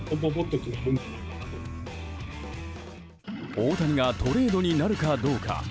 大谷がトレードになるかどうか。